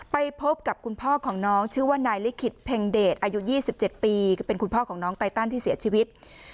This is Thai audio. ไปพบกับคุณพ่อของน้องชื่อว่านายลิขิตเพ็งเดชอายุ๒๗ปีเป็นคุณพ่อของน้องไตตันที่เสียชีวิต